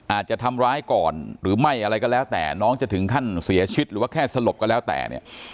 อาจจะทำร้ายก่อนหรือไม่อะไรก็แล้วแต่น้องจะถึงขั้นเสียชีวิตหรือว่าแค่สลบก็แล้วแต่เนี่ย